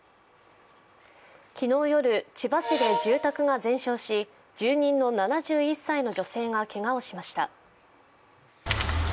昨日夜、千葉市で住宅が全焼し、住人の７１歳の女性がけがをしました。